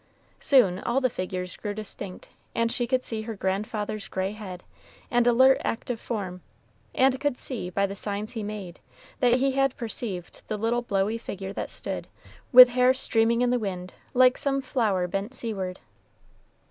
Soon all the figures grew distinct, and she could see her grandfather's gray head, and alert, active form, and could see, by the signs he made, that he had perceived the little blowy figure that stood, with hair streaming in the wind, like some flower bent seaward.